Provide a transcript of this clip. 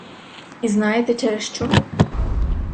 І знаєте через що?